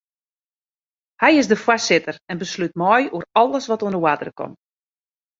Hy is de foarsitter en beslút mei oer alles wat oan de oarder komt.